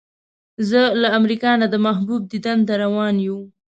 زه له امریکا نه د محبوب دیدن ته روان یو.